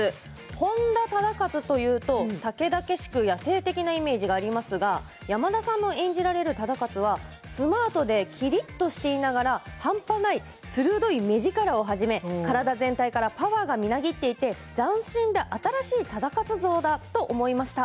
本多忠勝というとたけだけしく野生的なイメージがありますが山田さんの演じられる忠勝はスマートできりっとしていながら半端ない鋭い目力をはじめ体全体からパワーがみなぎっていて斬新で新しい忠勝像だと思いました。